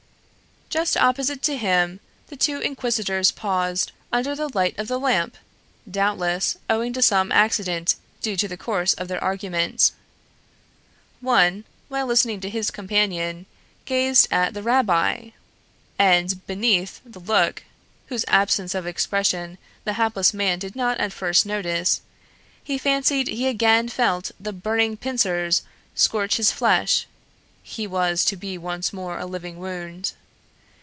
Just opposite to him the two inquisitors paused under the light of the lamp doubtless owing to some accident due to the course of their argument. One, while listening to his companion, gazed at the rabbi! And, beneath the look whose absence of expression the hapless man did not at first notice he fancied he again felt the burning pincers scorch his flesh, he was to be once more a living wound.